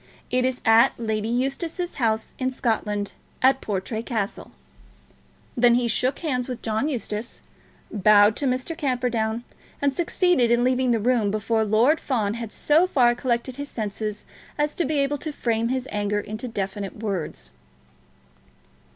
It is at Lady Eustace's house in Scotland; at Portray Castle." Then he shook hands with John Eustace, bowed to Mr. Camperdown, and succeeded in leaving the room before Lord Fawn had so far collected his senses as to be able to frame his anger into definite words.